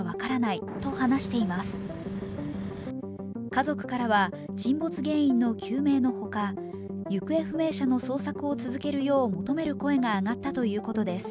家族からは沈没原因の究明のほか、行方不明者の捜索を続けるよう求める声が上がったということです。